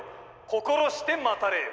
心して待たれよ」。